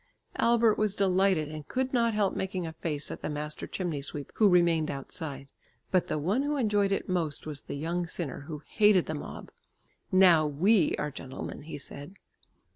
Albert was delighted, and could not help making a face at the master chimney sweep who remained outside. But the one who enjoyed it most was the young sinner, who hated the mob. "Now we are gentlemen," he said.